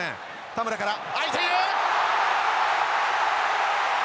田村から空いている！